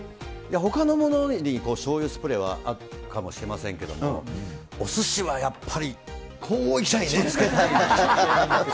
ほかのものより、しょうゆスプレーはあるかもしれませんけれども、おすしはやっぱりこういきたいですね。